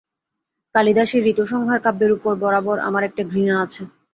কালিদাসের ঋতুসংহার কাব্যের উপর বরাবর আমার একটা ঘৃণা আছে।